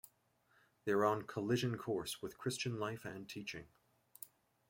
They are on collision course with Christian life and teaching.